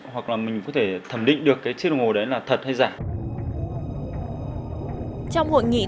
hoặc là mình có thể thẩm định được cái chiếc đồng hồ đấy là thật hay giả